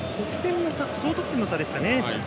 総得点の差でしたね。